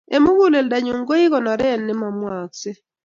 Eng' muguleldanyu ko ii konoret ne mamwooksey.